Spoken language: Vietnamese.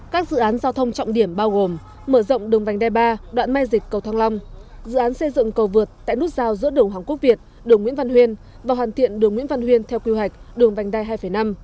các dự án giao thông trọng điểm bao gồm mở rộng đường vành đai ba đoạn mai dịch cầu thăng long dự án xây dựng cầu vượt tại nút giao giữa đường hàng quốc việt đường nguyễn văn huyên và hoàn thiện đường nguyễn văn huyên theo quy hoạch đường vành đai hai năm